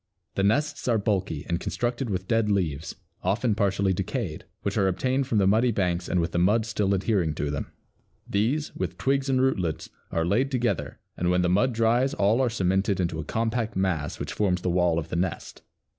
The nests are bulky and constructed with dead leaves, often partly decayed, which are obtained from the muddy banks and with the mud still adhering to them. These, with twigs and rootlets, are laid together and when the mud dries all are cemented into a compact mass which forms the wall of the nest.